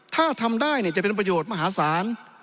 ถ้าทำได้จะเป็นประโยชน์มหาศาล